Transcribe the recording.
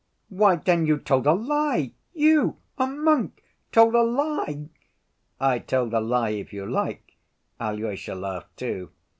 "Why, then you told a lie? You, a monk, told a lie!" "I told a lie if you like," Alyosha laughed, too.